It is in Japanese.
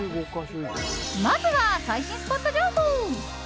まずは、最新スポット情報。